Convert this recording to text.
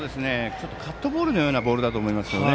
カットボールのようなボールだと思いますけどね。